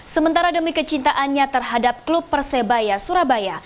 sementara demi kecintaannya terhadap klub persebaya surabaya